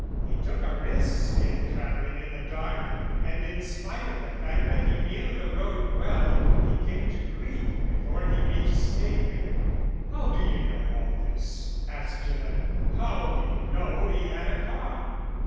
He took a risk in travelling in the dark, and in spite of the fact that he knew the road well he came to grief before he reached Staveley." "How do you know all this?" asked Gillett. "How do you know he had a car?"